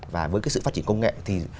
và với cái sự phát triển công nghệ thì